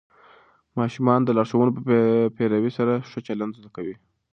ماشومان د لارښوونو په پیروي سره ښه چلند زده کوي هره ورځ.